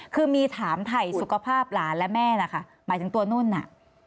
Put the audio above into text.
คือมีถามถ่ายสุขภาพหลานและแม่นะคะหมายถึงตัวนุ่นน่ะ